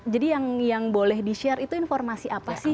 jadi yang boleh di share itu informasi apa sih